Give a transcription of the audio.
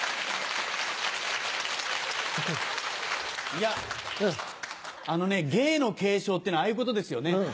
いやあのね芸の継承っていうのはああいうことですよね。